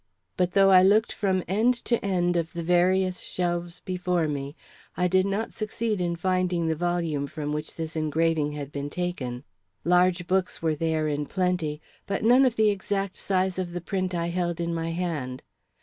But though I looked from end to end of the various shelves before me, I did not succeed in finding the volume from which this engraving had been taken. Large books were there in plenty, but none of the exact size of the print I held in my hand.